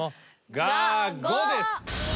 我５です！